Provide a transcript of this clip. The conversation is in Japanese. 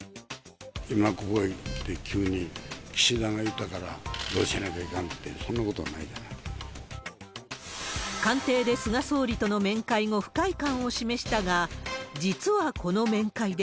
今ここに来て、急に岸田が言ったからどうしなきゃいかんって、官邸で菅総理との面会後、不快感を示したが、実はこの面会で、